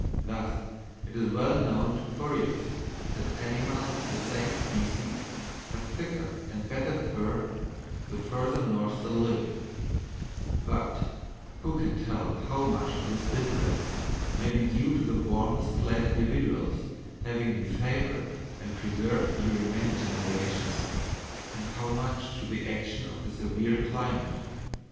Thus, it is well known to furriers that animals of the same species have thicker and better fur the further north they live; but who can tell how much of this difference may be due to the warmest clad individuals having been favoured and preserved during many generations, and how much to the action of the severe climate?